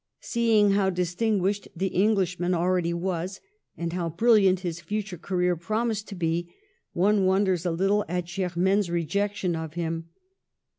Seeing how distinguished the Englishman already was, and how brilliant his future career promised to be, one wonders a little at Germaine's rejection of him.